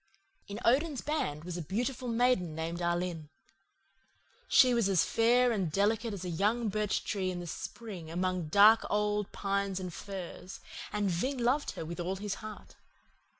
"In Odin's band was a beautiful maiden named Alin. She was as fair and delicate as a young birch tree in spring among the dark old pines and firs, and Ving loved her with all his heart.